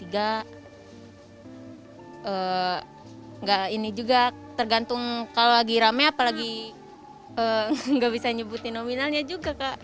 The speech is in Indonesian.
enggak ini juga tergantung kalau lagi rame apalagi nggak bisa nyebutin nominalnya juga kak